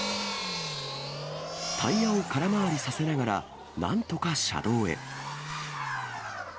タイヤを空回りさせながら、なんとか車道へ。